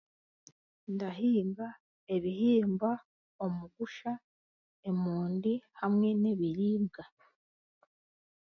Ndahinga ebihimba omugusha emondi hamwe n'ebiribwa